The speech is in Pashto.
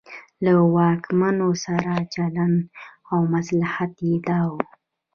له واکمنو سره چلن او مصلحت یې دا و.